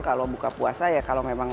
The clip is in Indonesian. kalau buka puasa ya kalau memang